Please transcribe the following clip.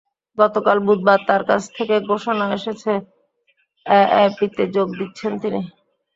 গতকাল বুধবার তাঁর কাছ থেকে ঘোষণা এসেছে, এএপিতে যোগ দিচ্ছেন তিনি।